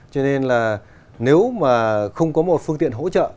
cho nên là nếu mà không có một phương tiện hỗ trợ